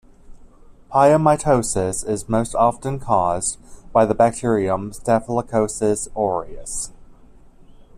Pyomyositis is most often caused by the bacterium "Staphylococcus aureus".